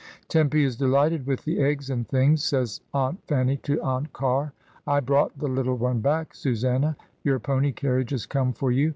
"Tempy is delighted with the eggs and things," says Aunt Fanny to Aunt Car. "I brought the little one back, Susanna. Your pony carriage is come for you.